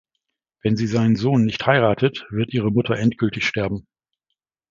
Wenn sie seinen Sohn nicht heiratet, wird ihre Mutter endgültig sterben.